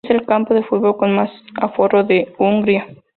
Es el campo de fútbol con más aforo de Hungría.